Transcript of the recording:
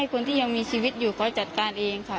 คนที่ยังมีชีวิตอยู่เขาจัดการเองค่ะ